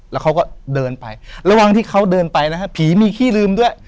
แล้วเขาก็เดินไประหว่างที่เขาเดินไปนะฮะผีมีขี้ลืมด้วย